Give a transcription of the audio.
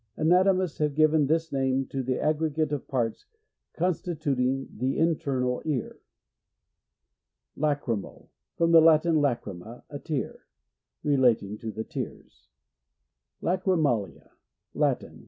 Anatomists have given this name to the a^g'egate of pirts, constituting the internal ear. Lachrymal. — From the Latin, lacry ma, a tear. Relating to the tears. Lachrymalia. — Latin.